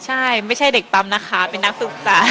ใช่ไม่ใช่เด็กปั๊มนะคะเป็นนักศึกษา